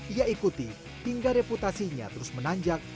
ia ikuti hingga reputasinya terus menanjak